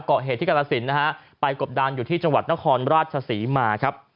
เกาะเหตุที่กรสินนะฮะไปกบดานอยู่ที่จังหวัดนครราชศรีมาครับ